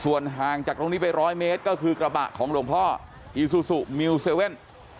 ส่วนห่างจากตรงนี้ไปร้อยเมตรก็คือกระบะของหลวงพ่ออีซูซูมิวเซเว่น